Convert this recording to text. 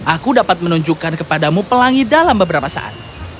aku dapat menunjukkan kepadamu pelangi dalam beberapa saat